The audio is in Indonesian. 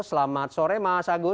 selamat sore mas agus